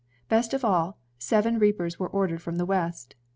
Best of all, seven reapers were ordered from the West.